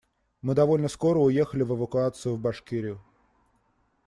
Мы довольно скоро уехали в эвакуацию в Башкирию.